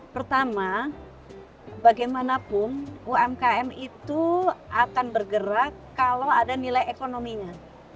pertama bagaimanapun umkm itu akan bergerak kalau ada nilai ekonominya